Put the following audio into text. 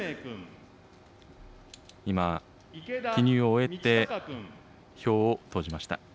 今、記入を終えて、票を投じました。